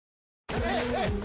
はい！